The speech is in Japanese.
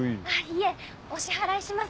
いえお支払いします。